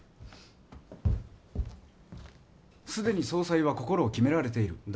既に総裁は心を決められている。